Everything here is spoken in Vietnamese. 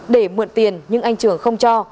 để muộn tiền nhưng anh trường không cho